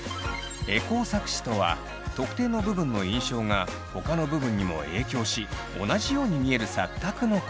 エコー錯視とは特定の部分の印象がほかの部分にも影響し同じように見える錯覚のこと。